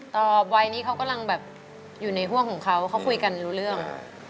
วัยนี้เขากำลังแบบอยู่ในห่วงของเขาเขาคุยกันรู้เรื่อง